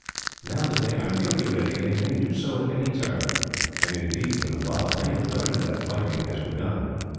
Now that they are nearly ready, they may do so at any time, and indeed the Nabob may have learned that fighting has begun.